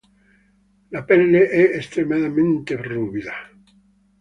La pelle è estremamente ruvida.